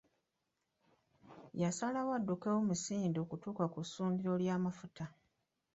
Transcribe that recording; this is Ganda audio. Yasalawo addukewo misinde okutuuka ku ssundiro ly’amafuta.